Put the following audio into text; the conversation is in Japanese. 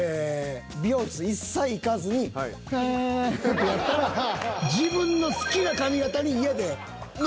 美容室一切行かずにハーッてやったら自分の好きな髪形に家で。